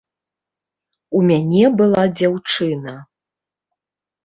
У мяне была дзяўчына.